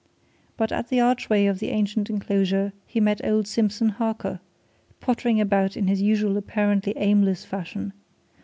But at the archway of the ancient enclosure he met old Simpson Harker, pottering about in his usual apparently aimless fashion.